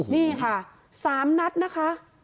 นี่ค่ะ๓นัดนะคะ